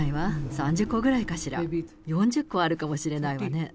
３０個ぐらいかしら、４０個あるかもしれないわね。